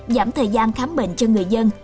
giảm thời gian khám bệnh cho người dân